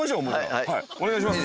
お願いします。